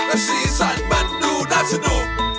และสีสันมันดูน่าสนุก